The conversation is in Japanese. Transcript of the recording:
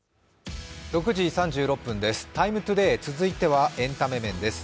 ６時３６分です、「ＴＩＭＥ，ＴＯＤＡＹ」続いてはエンタメ面です。